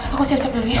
aku siap siap dulu ya